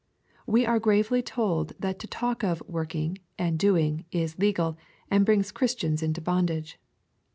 We are gravely told that to talk of '* working," and "doing," is legal, and brings Christians into bondage